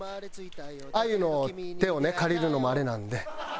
あゆの手をね借りるのもあれなんで。